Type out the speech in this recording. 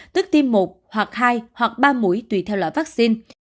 tức tim một hoặc hai hoặc ba mũi tùy theo loại vaccine